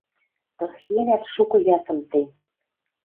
Тырхенӓт шукы ясым тӹнь.